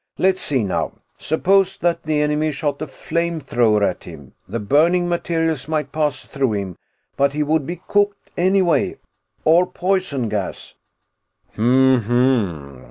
Let's see now: suppose that the enemy shot a flamethrower at him. The burning materials might pass through him, but he would be cooked anyway. Or poison gas " "Hm m m.